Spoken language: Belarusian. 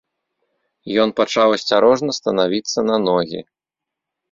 Ён пачаў асцярожна станавіцца на ногі.